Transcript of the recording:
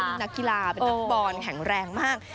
เป็นนักกีฬาเป็นนักฟุตบอลแข็งแรงมาก